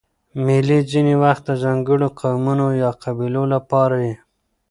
مېلې ځیني وخت د ځانګړو قومونو یا قبیلو له پاره يي.